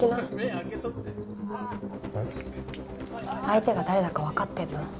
相手が誰だかわかってんの？